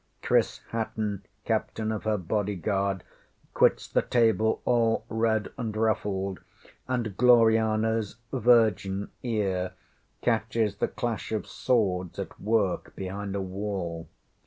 Chris Hatton, Captain of her bodyguard, quits the table all red and ruffled, and GlorianaŌĆÖs virgin ear catches the clash of swords at work behind a wall.